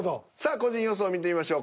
個人予想見てみましょう。